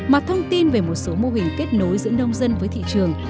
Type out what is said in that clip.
mà thông tin về một số mô hình kết nối giữa nông dân với thị trường